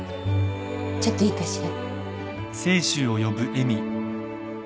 ちょっといいかしら？